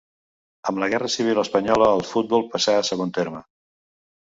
Amb la Guerra civil espanyola, el futbol passà a segon terme.